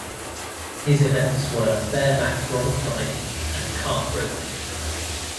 His events were bareback bronc riding and calf roping.